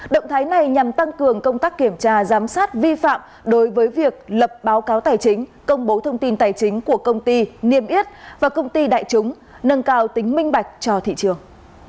động thái này nhằm tăng cường công tác kiểm tra giám sát vi phạm đối với việc lập báo cáo tài chính công bố thông tin tài chính của công ty niêm yết và công ty đại chúng nâng cao tính minh bạch cho thị trường